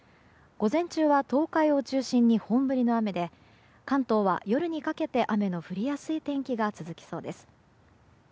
午前中は東海を中心に本降りの雨で関東は夜にかけて雨の降りやすい天気が続きそうです。